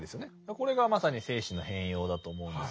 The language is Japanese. これがまさに精神の変容だと思うんですよね。